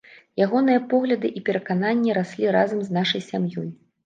Ягоныя погляды і перакананні раслі разам з нашай сям'ёй.